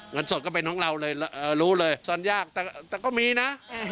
เงินสดก็เป็นของเราเลยรู้เลยซ่อนยากแต่ก็มีนะ